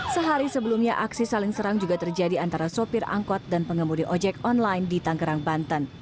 sehari sebelumnya aksi saling serang juga terjadi antara sopir angkot dan pengemudi ojek online di tanggerang banten